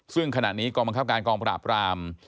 ซึ่งขณะนี้กองบังคับการกองปราบราม